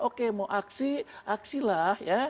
oke mau aksi aksilah